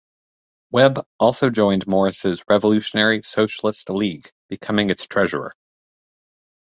Webb also joined Morris's revolutionary Socialist League, becoming its treasurer.